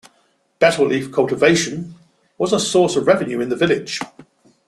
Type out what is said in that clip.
Betel leaf cultivation was a source of revenue in the village.